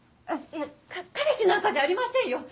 いや彼氏なんかじゃありませんよ！